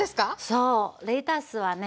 そうレタスはね